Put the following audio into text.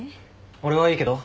俺はいいけど。